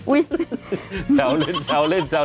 อุ๊ยแซวเล่นแซวเล่นขำ